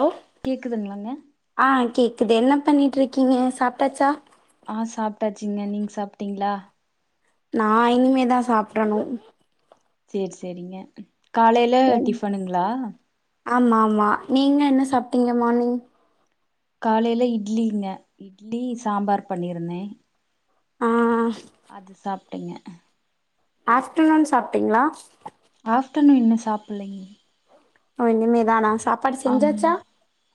Low கேக்குதுங்ளாங்க ஆ கேக்குது என்ன பண்ணிட்ருக்கீங்க சாப்ட்டாச்சா ஆ சாப்ட்டாச்சுங்க நீங் சாப்ட்டீங்களா நா இனிமே தா சாப்டணு சேரி செரிங்க காலைல என் டிஃபனுங்ளா ஆமா ஆமா நீங்க என்ன சாப்ட்டீங்க மார்னிங் காலையில இட்லிங்க இட்லி சாம்பார் பண்ணியிருந்தே ஆ அது சாப்ட்டீங்க ஆஃப்டர்நூன் சாப்ட்டிங்ளா ஆஃப்டர்நூன் இன்னு சாப்பிலைங்க ஓ இனிமேதா நா ஆமா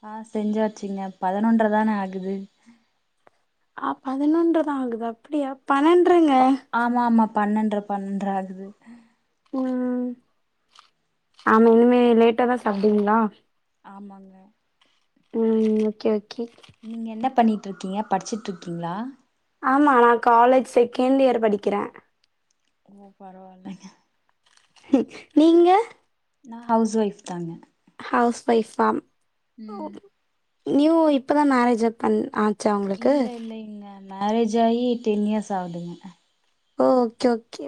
ஆ செஞ்சாச்சுங்க பதினொன்றதான ஆகுது ஆ பதினொன்றதா ஆகுதா அப்டியா பன்னெண்றங்க ப- ஆமா ஆமா பன்னெண்ர பன்னெண்ர ஆகுது ம் ஆமா இனிமே லேட்டா தா சாப்டுவிங்ளா ஆமாங்க ம் ஓகே ஓகே நீங்க என்ன பண்ணிட்ருக்கீய படிச்சிட்ருக்கீங்ளா ஆமா நா காலேஜ் செகண்ட் இயர் படிக்கிறே ஓ பரவால்லங்க நீங்க நா ஹவுஸ் ஒய்ஃப் தாங்க ஹவுஸ் ஒய்ஃபா‌ ஓ ம் நியூ இப்பதா மேரேஜ் அப் பண் ஆ இல்ல இல்ல இல்ல மேரேஜ் ஆயி டென் இயர்ஸ் ஆகுதுங்க ஓகே ஓகே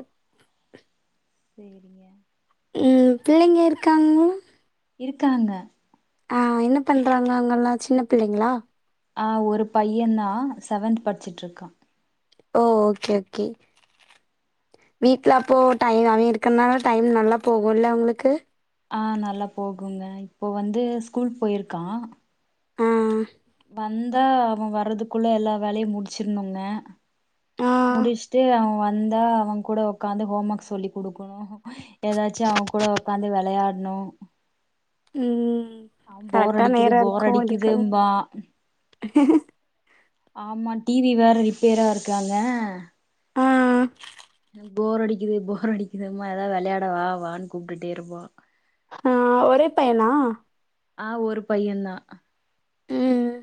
செரிங்க ம் பிள்ளைங்க இருக்காங்ளா இருக்காங்க ஆ என்ன பண்றாங்க அவங்கெல்லா சின்ன பிள்ளைங்களா ஆ ஒரு பையன் தா செவன்த் படிச்சுட்ருக்கா ஓ ஓகே ஓகே வீட்ல அப்போ டைம் அவ இருக்கனால டைம் நல்லா போகுல்ல உங்களுக்கு ஆ நல்லா போகுங்க இப்போ வந்து ஸ்கூல் போயிருக்கா ஆ வந்தா அவ வர்றதுக்குள்ள எல்லா வேலையு முடிச்சிருனுங்க ஆ முடிச்ட்டு அவ வந்தா அவங்கூட உக்காந்து ஹோம் ஒர்க் சொல்லி குடுக்கணு ஏதாச்சு அவங்கூட உக்காந்து விளயாட்ணு ம் போர் கரெக்டா அடிக்குது நேரோ போர் இருக்கு அதுக்கு அடிக்குதும்பா ஆமா டி வி வேற ரிப்பேரா இருக்காங்க ஆ ஆ எனக் போர் அடிக்குது போர் அடிக்குதும்மா ஏதாவ் விளயாட வா வான்னு கூப்ட்டுட்டே இருப்பா ஆ ஒரே பையனா ஆ ஒரு பையன்தா ம்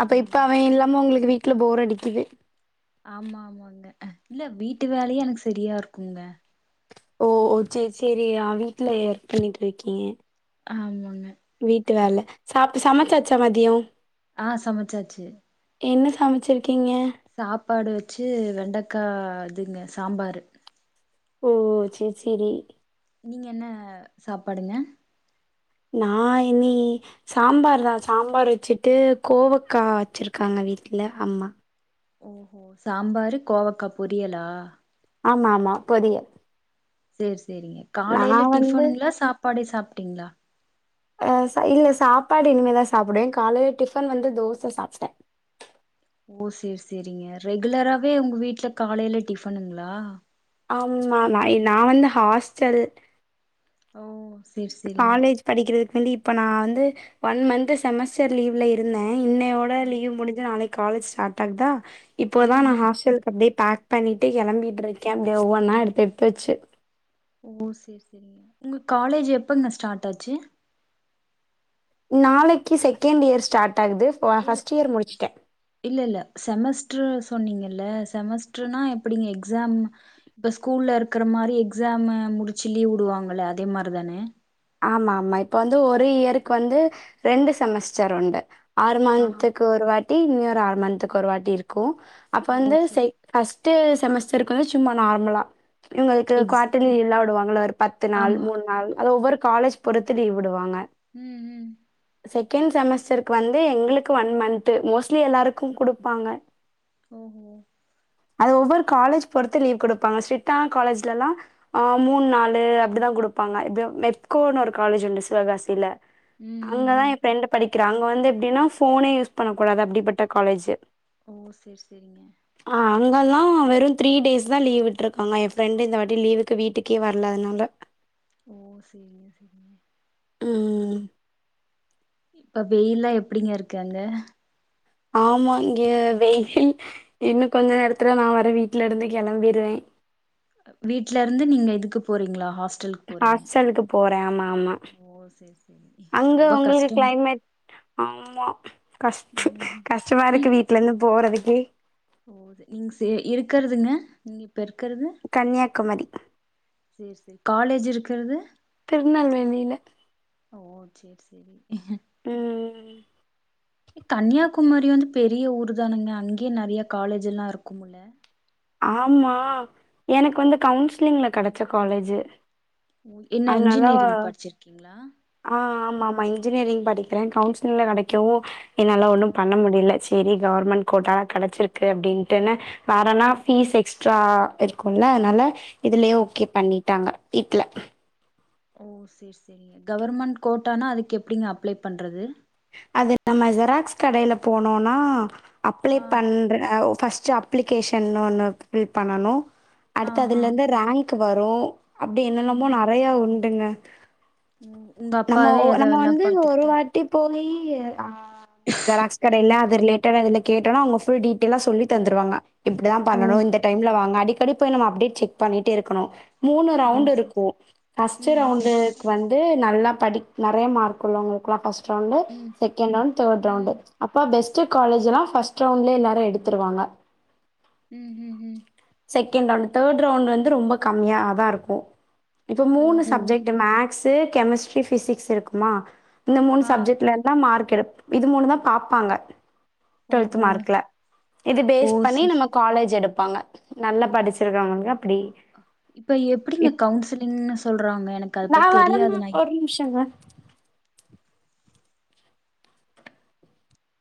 அப்ப இப்ப ம் அவ இல்லாம உங்ளுக் வீட்ல போர் அடிக்குது ஆமா ஆமாங்க இல்ல வீட்டு வேலையே எனக்கு செரியா இருக்குங்க ஓ செரி செரி ஆ வீட்ல இயர்க் பண்ணிகிட்ருக்கீக ஆமாங்க வீட்டு வேல சாப்டு சமச்சாச்சா மதியோ ஆ சமச்சாச்சு என்ன சமச்சிருக்கீங்க சாப்பாடு வச்சு வெண்டக்கா இதுங்க சாம்பாரு ஓ செரி செரி நீங்க என்ன சாப்பாடுங்க நா இனி சாம்பாரு தா சாம்பாரு வச்சுட்டு கோவக்கா வச்சிருக்காங்க வீட்ல அம்மா ஓஹோ சாம்பாரு கோவக்கா பொரியலா ஆமா ஆமா பொறியல் சேரி சேரிங்க காலையில வந்து டிஃபனுங்களா சாப்பாடே சாப்ட்டீங்ளா ஆ இல்ல சாப்பாடு இனிமேதா சாப்பிடுவே காலையில டிஃபன் வந்து தோச சாப்ட்டே ஓ சேரி சேரிங்க ரெகுலராவே உங்க வீட்ல காலையில டிஃபனுங்ளா ஆமாம்மா நா வந்து ஹாஸ்ட்டல் ஓ சேரி சே காலேஜ் படிக்கிறதுக்கு வந்து இப்ப நா வந்து ஒன் மந்த் செமஸ்டர் லீவ்ல ருந்தே இன்னையோட ஆ லீவ் முடிஞ்சி நாளைக்கு காலேஜு ஸ்டார்ட் ஆகுதா இப்போதா ம் நா ம் ஹாஸ்டலுக்கு அப்டியே பேக் பண்ணிட்டு கெளம்பிட்டு இருக்கே அப்டியே ஒவ்வொன்னா எடுத்து எடுத்து வெச்சு ஓ சேரி சேரிங்க உங்க காலேஜு எப்போங்க ஸ்டார்ட் ஆச்சு நாளைக்கு செகண்ட் இயர் ஸ்டார்ட் ஆகுது ஃப இல்ல ஃபர்ஸ்ட் இயர் முடிச்சுட்டேன். இல்ல இல்ல செமஸ்ட்ரு சொன்னீங்கல்ல செமஸ்ட்ருனா எப்டிங்க எக்ஸாம் இப்போ ஸ்கூல்ல இருக்குற மாரி எக்ஸாமு முடிச்சி லீவ் உடுவாங்கல அதே மாரி தானே ஆமா ஆமா இப்ப வந்து ஒரு இயருக்கு வந்து ரெண்டு செமஸ்டர் உண்டு ஆறு ஆ மன்த்துக்கு ஒரு வாட்டி இன்னோறு ஆறு மன்த்துக்கு ஒரு வாட்டி இருக்கு அப்போ ஓ வந்து சேரி செக் ஃபர்ஸ்ட்டு செமஸ்டருக்கு வந்து சும்மா நார்மலா இவுங்களுக்கு எக்ஸ் குவார்டர்லி லீவ்லா விடுவாங்கள்ள ஒரு பத்து நாள் ஆமா மூணு நாள் அது ஒவ்வரு காலேஜ் பொறுத்து லீவ் விடுவாங்க உம் உம் செகண்ட் செமஸ்டருக்கு வந்து எங்களுக்கு ஒன் மன் த்து மோஸ்ட் எல்லாருக்கு குடுப்பாங்க ஓஹோ அது ஒவ்வரு காலேஜ் பொறுத்து லீவ் குடுப்பாங்க ஸ்ட்ரிட்டான காலேஜ்லல்லா ஆ மூணு நாலு அப்டிதா குடுப்பாங்க இப்ப மெப்கோன்னு ஒரு காலேஜ் உண்டு சிவகாசியில உம் அங்கதா எ ப்ரெண்டு படிக்கிறா அங்க வந்து எப்டின்னா ஃபோனே யூஸ் பண்ண கூடாது அப்டிப்பட்ட காலேஜு ஓ சேரி சேரிங்க அ அங்கல்லா வெறு த்ரீ டேஸ் தா லீவ் விட்டுருக்காங்க எ ஃப்ரெண்டு இந்த வாட்டி லீவுக்கு வீட்டுக்கே வரல அதனால ஓ சேரிங்க சேரிங்க உம் இப்ப வெயில்லா எப்டிங்க இருக்கு அங்க ஆமா இங்க வெயில் இன்னு கொஞ்ச நேரத்துல நா வேற வீட்டுலருந்து கெளம்பிருவே வீட்லருந்து நீங்க இதுக்கு போறீங்ளா ஹாஸ்டல்க் ஹாஸ்டலுக்கு போறே ஆமா ஆமா ஓ செரி செரி அங்க ரொம்ப உங்களுக்கு கஷ்டம் கிளைமேட் ஆமா கஷ் ம் கஷ்டமாருக்கு வீட்லருந்து போறதுக்கே ஓ ம் சே இருக்குறதுங்க நீங்க இப்ப இருக்குறது கன்னியாகுமரி ம் சேரி காலேஜு இருக்குறது திருநெல்வேலில ஓ சேர் செரி ம் எ கன்னியாகுமரி வந்து பெரிய ஊர் தானுங்க அங்கியே நறைய காலேஜ் எல்லா இருக்கோமுல்ல ஆமா எனக்கு வந்து கவுன்சிலிங்ல கெடச்ச காலேஜு ஓ என்ன அதனால இன்ஜினியரிங் படிச்சிருக்கீங்ளா ஆ ஆமா ஆமா இன்ஜினியரிங் படிக்கிறே கவுன்சிலிங்ல கடைக்கவோ என்னால ஓ ஒண்ணும் பண்ண முடில செரி கவுர்மெண்ட் கோட்டால கடச்சிருக்கு அப்டின்ட்டுன வேறனா ஓ ஃபீஸ் எக்ஸ்ட்ரா இருக்குல அதனால இதுலியே ஆ ஓகே பண்ணிட்டாங்க வீட்ல ஓ செர் செரிங்க கவர்மெண்ட் கோட்டானா அதுக்கு எப்டிங்க அப்ளை பண்றது அது நம்ம ஜெராக்ஸ் கடையில போனோனா அப்ளை ஆ பண்ற அ ஒ ஃபஸ்ட்டு அப்ளிகேஷன் ஒன்னு ஃபில் பண்ணணோ ஆ அடுத்து ஆ அதுலெந்து ரேங்க்கு வரோ அப்டி ம் என்னன்னமோ ம் நறைய உண்டுங்க ம் உங்க நம்ம அப்பாவே ஒ நம்ம அதெல்லா வந்து ஒரு பாத்துக்கிட்டாரு வாட்டி போயி ஆ அந்த ஜெராக்ஸ் கடையில் ம் அ து ரிலேட்டடா அதுல கேட்டோனா அவுங்க ஃபுல் டீடெய்லா சொல்லி தந்துருவாங்க இப்படித்தா பண்ணணு ஓஹோ இந்த டைம்ல வாங்க அடிக் கடி போய் நம்ம அப்டேட் செக் பண்ணிடே இருக்கணு மூணு ஓ ரவுண்டு சரி இருக்கு சரி ஃபஸ்ட்டு ம் ரவண்டுக் வந் து நல்லா படிக் நெறைய மார்க் உள்ளவங்களுக்லா ஃபஸ்ட் ரவுண்டு ம் செகண்ட் ரவுண்ட் தேட் ரவுண்டு ம் அப்ப பெஸ்டு காலேஜெலா ஃபஸ்ட் ரவுண்ட்லே எல்லாரு எடுத்துருவாங்க ம் ம் ம் செகண்ட் ரவுண்ட் தேட் ரவுண்ட் வந்து ரொம்ப கம்மியா தா இருக்கு இப்ப மூணு ஓஹோ சப்ஜெக்டு மேக்ஸு கெமிஸ்ட்ரி பிசிக்ஸ் இருக்குமா இந்த மூணு ஆ சப்ஜெக்ட்லந்து தா மார்க் எடு இது மூணுந்தா பாப்பாங்க டு்வெல்த்து ஓஹோ மார்க்ல இது ஓ பேஸ் பண்ணி சரி நம்ம சரி காலேஜ் எடுப்பாங்க நல்லா படிச்சிருக்கவங்களுக்கு அப்படி இப்ப எப்பிடிங்க இப்- கவுன்சிலிங்ன்னு சொல்றாங்க எனக் ஒரு நிம்ஷங்க